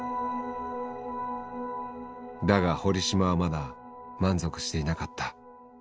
だが堀島はまだ満足していなかった。